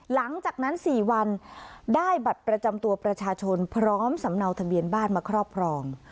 หลังจากนั้น๔วันได้บัตรประจำตัวประชาชนพร้อมสำเนาทะเบียนบ้านมาครอบครอง